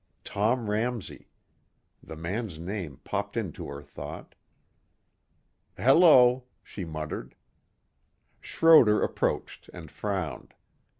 Tom Ramsey. The man's name popped into her thought. "Hello," she muttered. Schroder approached and frowned.